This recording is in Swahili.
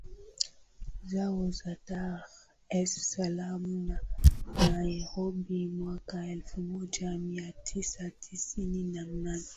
zao za Dar es Salaam na Nairobi mwaka elfumoja miatisa tisini na nane